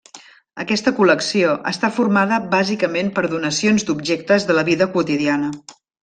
Aquesta col·lecció està formada bàsicament per donacions d'objectes de la vida quotidiana.